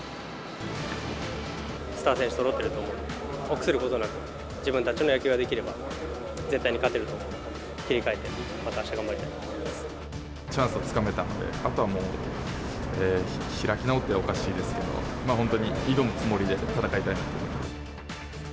スター選手そろってると思うんで、臆することなく、自分たちの野球ができれば、絶対に勝てると思って、切り替えて、またあした、チャンスをつかめたので、あとはもう、開き直ってはおかしいですけど、本当に挑むつもりで戦いたいなと思います。